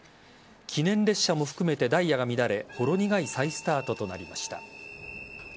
記念列車も含めてダイヤが乱れほろ苦い再スタートとなりました。